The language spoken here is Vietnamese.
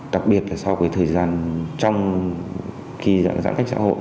đặc biệt là so với thời gian trong kỳ giãn cách xã hội